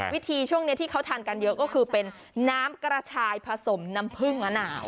วิธีช่วงนี้ที่เขาทานกันเยอะก็คือเป็นน้ำกระชายผสมน้ำผึ้งมะนาว